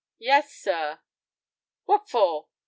"Yes, sir." "What for?"